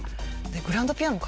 グランドピアノ？